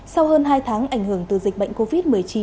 sau hơn hai tháng ảnh hưởng từ dịch bệnh covid một mươi chín